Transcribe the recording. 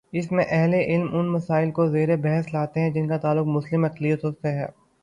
اس میں اہل علم ان مسائل کو زیر بحث لاتے ہیں جن کا تعلق مسلم اقلیتوں سے ہے۔